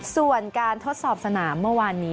ส่วนการทดสอบสนามเมื่อวานนี้